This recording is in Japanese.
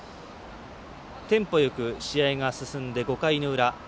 テンポよく試合が進んで５回の裏。